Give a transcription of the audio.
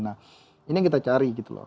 nah ini yang kita cari gitu loh